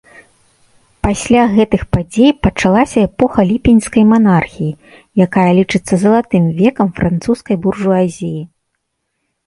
Пасля гэтых падзей пачалася эпоха ліпеньскай манархіі, якая лічыцца залатым векам французскай буржуазіі.